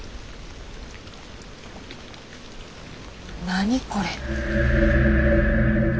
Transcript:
何これ？